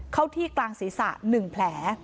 เข้าที่กลางศีรษะ๑แผล